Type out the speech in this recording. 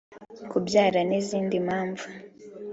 kubyara n’izindi mpamvu